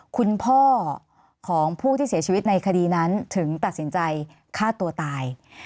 คุณพ่อของผู้ที่เสียชีวิตในคดีนั้นถึงตัดสินใจฆ่าตัวตาย